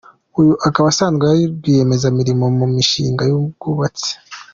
Uyu akaba asanzwe ari rwiyemezamirimo mu mishinga y’ubwubatsi.